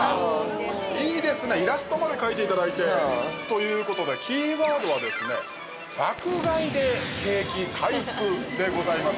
◆いいですね、イラストまで描いていただいて。ということで、キーワードは「爆買いで景気回復」でございます。